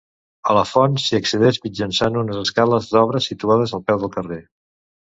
A la font s'hi accedeix mitjançant unes escales d'obra, situades a peu del carrer.